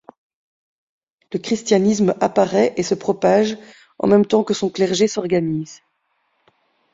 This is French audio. Le christianisme apparaît et se propage en même temps que son clergé s'organise.